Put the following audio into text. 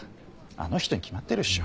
あの人に決まってるでしょ。